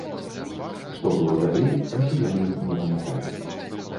Што было далей, расіянін не памятае.